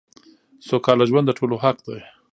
سوکاله ژوند دټولو حق دی .